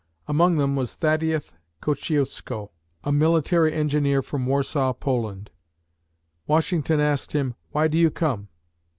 Among them was Thaddeus Kosciusko, a military engineer from Warsaw (Poland). Washington asked him, "Why do you come?"